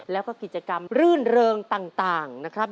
แล้วก็กิจกรรมรื่นเริงต่างนะครับ